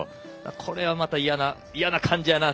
これは、また嫌な感じだなと。